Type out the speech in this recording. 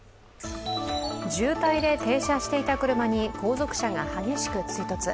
渋滞で停車していた車に後続車が激しく追突。